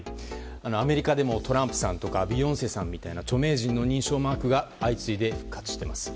アメリカでもトランプさんとかビヨンセさんとか著名人の認証マークが相次いで復活しています。